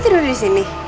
soalnya rewel terus